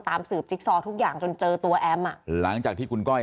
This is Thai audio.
สืบจิ๊กซอทุกอย่างจนเจอตัวแอมอ่ะหลังจากที่คุณก้อย